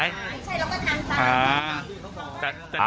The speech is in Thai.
ใช่ใช่ใช่